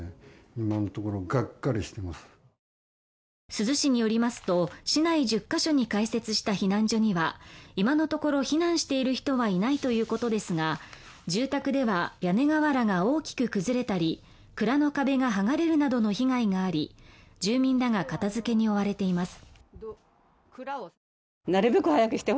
珠洲市によりますと、市内１０カ所に開設した避難所には今のところ避難している人はいないということですが住宅では屋根瓦が大きく崩れたり蔵の壁が剥がれるなどの被害があり、住民らが片づけに追われています。